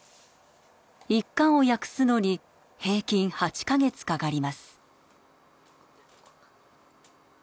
１巻を訳すのに平均８カ月かかります。